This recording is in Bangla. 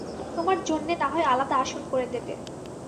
তোমার জন্যে নাহয় আলাদা আসন করে দেবে।